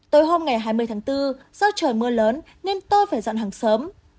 tới hôm ngày hai mươi tháng bốn do trời mưa lớn nên tôi phải dọn hàng sớm